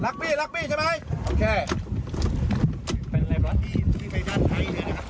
เก็บไหมหน้า